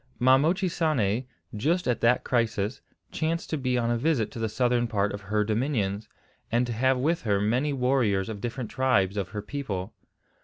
Ma Mochisane, just at that crisis, chanced to be on a visit to the southern part of her dominions, and to have with her many warriors of different tribes of her people.